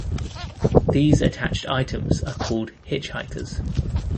These attached items are called "hitchhikers".